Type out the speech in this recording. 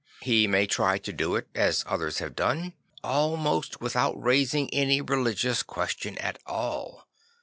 He may try to do it, as others have done, almost without raising any religious question at all.